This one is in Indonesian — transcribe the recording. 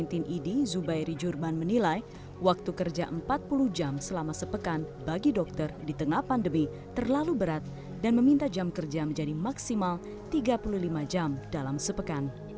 tim id zubairi jurman menilai waktu kerja empat puluh jam selama sepekan bagi dokter di tengah pandemi terlalu berat dan meminta jam kerja menjadi maksimal tiga puluh lima jam dalam sepekan